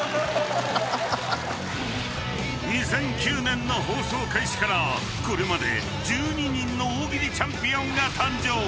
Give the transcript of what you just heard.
［２００９年の放送開始からこれまで１２人の大喜利チャンピオンが誕生］